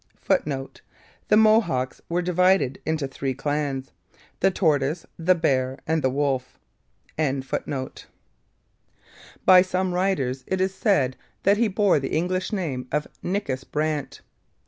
[Footnote: The Mohawks were divided into three clans the Tortoise, the Bear, and the Wolf.] By some writers it is said that he bore the English name of Nickus Brant.